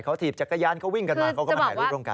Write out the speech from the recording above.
เขาถีบจักรยานเขาวิ่งกันมาก็มาให้รูปร่งกัน